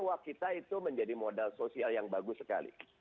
bahwa kita itu menjadi modal sosial yang bagus sekali